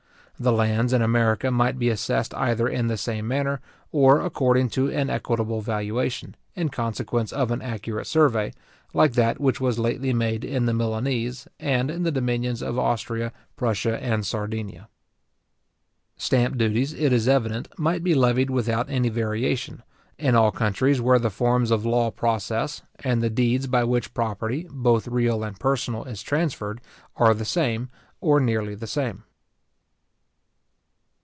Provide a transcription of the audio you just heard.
The lands in America might be assessed either in the same manner, or according to an equitable valuation, in consequence of an accurate survey, like that which was lately made in the Milanese, and in the dominions of Austria, Prussia, and Sardinia. Stamp duties, it is evident, might be levied without any variation, in all countries where the forms of law process, and the deeds by which property, both real and personal, is transferred, are the same, or nearly the same.